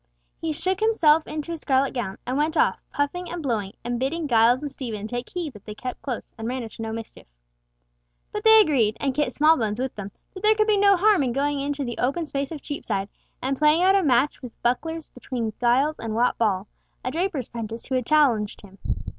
He shook himself into his scarlet gown, and went off, puffing and blowing, and bidding Giles and Stephen take heed that they kept close, and ran into no mischief. But they agreed, and Kit Smallbones with them, that there could be no harm in going into the open space of Cheapside and playing out a match with bucklers between Giles and Wat Ball, a draper's prentice who had challenged him.